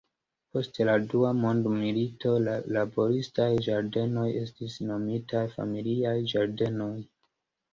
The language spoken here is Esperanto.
Post la dua mondmilito la laboristaj ĝardenoj estis nomitaj familiaj ĝardenoj.